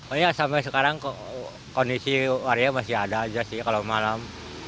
oh ya sampai sekarang kondisi waria masih ada aja sih kalau malam